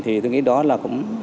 thì tôi nghĩ đó là không